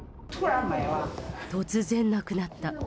突然なくなった。